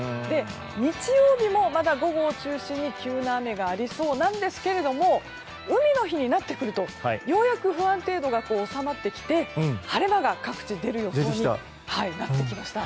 日曜日もまだ午後を中心に急な雨がありそうなんですが海の日になってくるとようやく不安定度が収まってきて晴れ間が各地で出る予想になってきました。